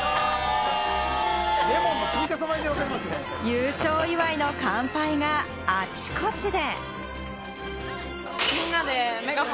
優勝祝いの乾杯があちこちで。